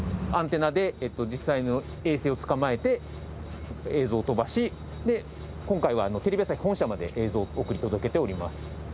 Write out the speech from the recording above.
アンテナで実際の衛星をつかまえて映像を飛ばしで今回はテレビ朝日本社まで映像を送り届けております。